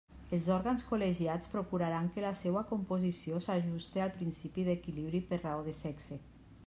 Els òrgans col·legiats procuraran que la seua composició s'ajuste al principi d'equilibri per raó de sexe.